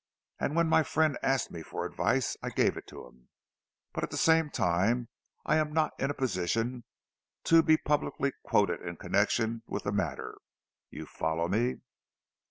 And when my friend asked me for advice, I gave it to him; but at the same time I am not in a position to be publicly quoted in connexion with the matter. You follow me?"